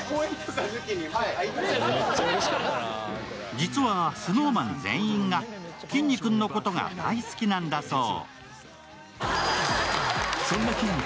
実はＳｎｏｗＭａｎ全員がきんに君のことが大好きなんだそう。